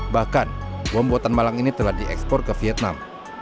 bahkan bom buatan malang ini telah diekspor ke vietnam